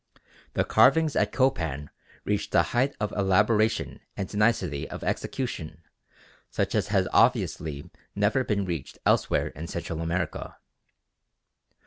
The carvings at Copan reached a height of elaboration and nicety of execution such as has obviously never been reached elsewhere in Central America.